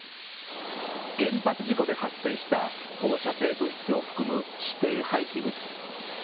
原発事故で発生した放射性物質を含む指定廃棄物。